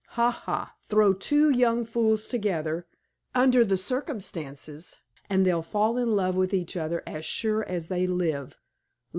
Ha! ha! Throw two young fools together, under the circumstances, and they'll fall in love with each other as sure as they live!